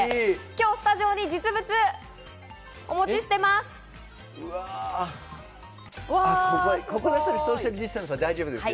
今日、スタジオに実物お持ちしてます。